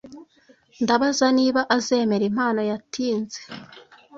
Ndabaza niba azemera impano yatinze.